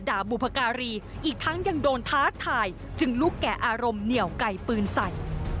บุพการีอีกทั้งยังโดนท้าทายจึงลุกแก่อารมณ์เหนียวไก่ปืนใส่